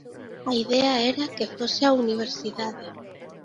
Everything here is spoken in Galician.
A idea era que fose á universidade.